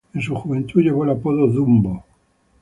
En su juventud llevó el apodo Dumbo.